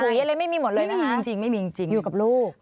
กุ๊กกุ๊ยอะไรไม่มีหมดเลยนะคะไม่มีจริงอยู่กับลูก